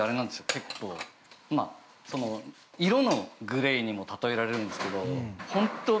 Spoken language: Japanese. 結構色のグレーにも例えられるんですけど本当